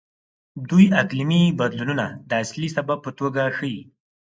دوی اقلیمي بدلونونه د اصلي سبب په توګه ښيي.